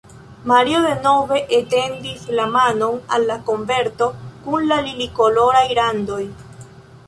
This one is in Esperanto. Mario denove etendis la manon al la koverto kun la lilikoloraj randoj.